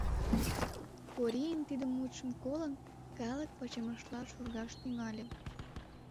Корийын тиде мутшым колын, калык пачемышла шургаш тӱҥале.